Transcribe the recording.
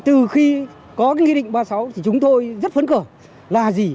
từ khi có nghị định một trăm ba mươi sáu thì chúng tôi rất phấn khởi là gì